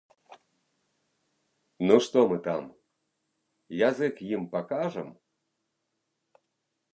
Ну што мы там, язык ім пакажам?